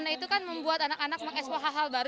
nah itu kan membuat anak anak mengekspo hal hal baru